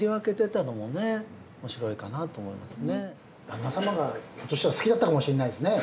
旦那様がひょっとしたら好きだったかもしんないですね